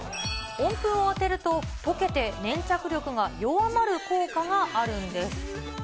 温風を当てると溶けて粘着力が弱まる効果があるんです。